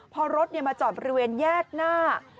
พอรถมาจอดบริเวณแยกหน้า